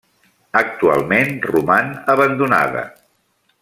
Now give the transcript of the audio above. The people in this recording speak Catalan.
Actualment roman abandonada.